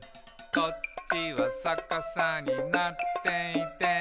「こっちはさかさになっていて」